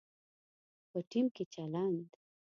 په ټیم کې چلند